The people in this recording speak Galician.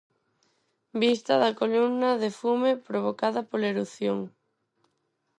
Vista da columna de fume provocada pola erupción.